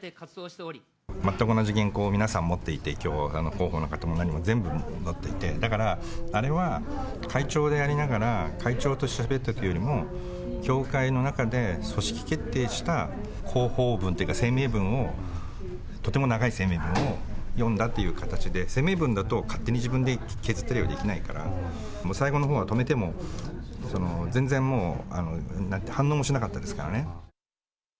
全く同じ原稿を皆さん持っていて、きょうは広報の方も何も、全部持っていて、だから、あれは会長でありながら、会長としてしゃべったというよりも、教会の中で組織決定した、広報文というか、声明文を、とても長い声明文を読んだという形で、声明文だと勝手に自分で削ったりはできないから、最後のほうは止めても、全然もう、反応もしなかったですからね。